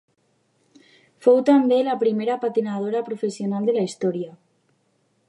Fou també la primera patinadora professional de la història.